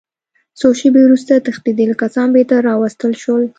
څو شېبې وروسته تښتېدلي کسان بېرته راوستل شول